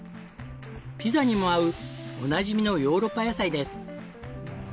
ピザにも合うおなじみのヨーロッパ野菜です。